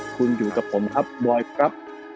คุณอยู่กับผมครับบอยครับ